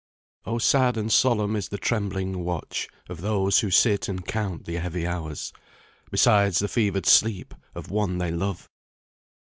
"O sad and solemn is the trembling watch Of those who sit and count the heavy hours, Beside the fevered sleep of one they love!